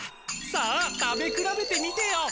さあ食べくらべてみてよ！